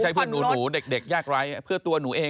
ใช่เพื่อนหนูหนูเด็กยากร้ายเพื่อนตัวหนูเองเนี้ย